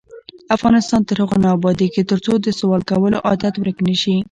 افغانستان تر هغو نه ابادیږي، ترڅو د سوال کولو عادت ورک نشي.